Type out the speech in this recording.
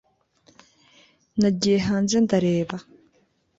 nagiye hanze ndareba